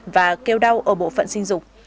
và kêu đau ở bộ phận sinh dục